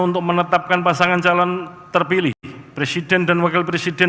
untuk menetapkan pasangan calon terpilih presiden dan wakil presiden